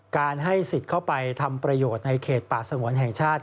การให้สิทธิ์เข้าไปทำประโยชน์ในเขตป่าสงวนแห่งชาติ